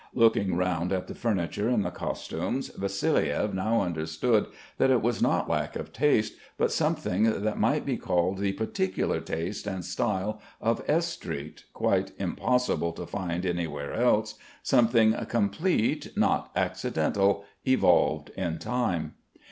Looking round at the furniture and the costumes Vassiliev now understood that it was not lack of taste, but something that might be called the particular taste and style of S v Street, quite impossible to find anywhere else, something complete, not accidental, evolved in time.